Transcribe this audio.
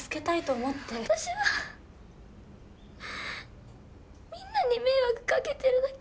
私はみんなに迷惑かけてるだけ。